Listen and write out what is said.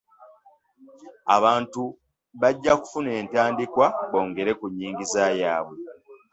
Abantu bajja kufuna entandikwa bongere ku nnyingiza yaabwe.